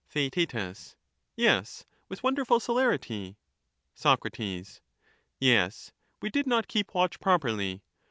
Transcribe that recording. Theaet, Yes, with wonderful celerity. Sac, Yes, we did not keep watch properly.